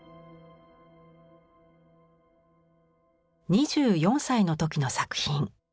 ２４歳の時の作品。